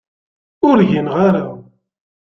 Ur gineɣ ara.